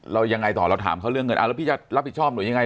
เรายังไงต่อเราถามเขาเรื่องเงินแล้วพี่จะรับผิดชอบหรือยังไง